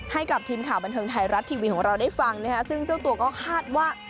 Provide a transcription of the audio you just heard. ให้กับทีมข่าวบันเทิงไทยรัฐทีวีของเราได้ฟังนะคะซึ่งเจ้าตัวก็คาดว่า